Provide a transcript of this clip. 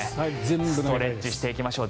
ストレッチしていきましょう。